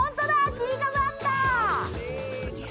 切り株あった。